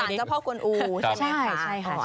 สั่นเจ้าพ่อกลัวนูใช่ไหมคะ